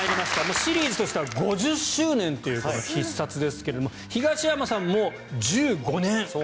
シリーズとしては５０周年という「必殺」ですが東山さんも１５年。